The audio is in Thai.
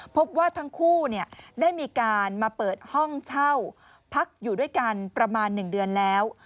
พบว่าทั้งคู่ได้มีการมาเปิดห้องเช่าพักอยู่ด้วยกันประมาณ๑เดือนแล้ว